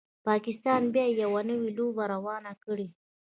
پاکستان بیا یوه نوي لوبه روانه کړي